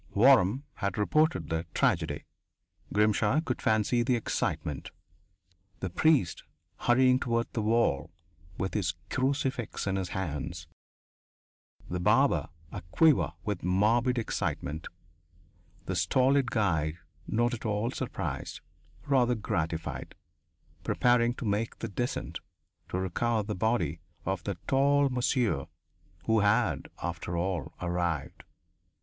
Waram had reported the "tragedy." Grimshaw could fancy the excitement the priest hurrying toward the "wall" with his crucifix in his hands; the barber, a quiver with morbid excitement; the stolid guide, not at all surprised, rather gratified, preparing to make the descent to recover the body of that "tall monsieur" who had, after all, "arrived."